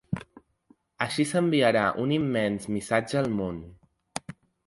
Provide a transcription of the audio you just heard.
Així s’enviarà un immens missatge al món!